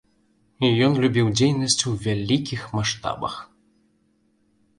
Ён любіў дзейнасць у вялікіх маштабах.